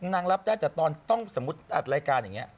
รับได้แต่ตอนต้องสมมุติอัดรายการอย่างนี้